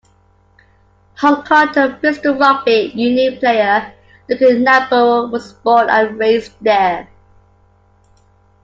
Hong Kong and Bristol Rugby Union player Luke Nabaro was born and raised there.